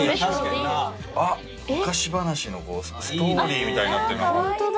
あっ昔話のストーリーみたいになってる。